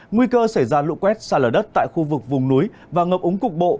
nguy cơ xảy ra lụ quét xa lở đất tại khu vực vùng núi và ngập ống cục bộ